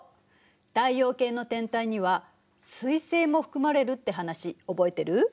太陽系の天体には彗星も含まれるって話覚えてる？